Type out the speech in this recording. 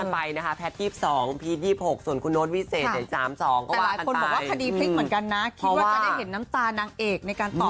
หนูแบ๊วใสตั้งแต่แรก